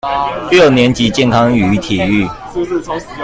六年級健康與體育